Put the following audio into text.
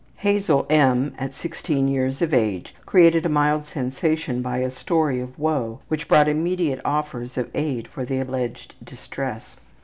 Hazel M. at 16 years of age created a mild sensation by a story of woe which brought immediate offers of aid for the alleged distress.